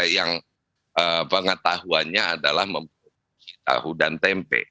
yang pengetahuannya adalah memproduksi tahu dan tempe